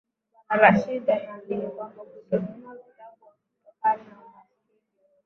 Bwana Rashid anaamini kwamba kutonunua vitabu hakutokani na umasikini.